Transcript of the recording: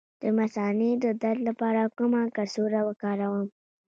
د مثانې د درد لپاره کومه کڅوړه وکاروم؟